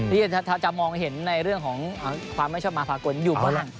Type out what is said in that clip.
ที่จะมองเห็นในเรื่องของความไม่ชอบมาพากลอยู่กว่านั้น